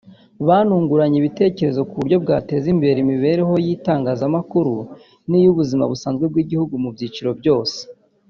Banunguranye ibitekerezo ku buryo bwateza imbere imibereho y’itangazamakuru n’iy’ubuzima busanzwe bw’igihugu mu byiciro byose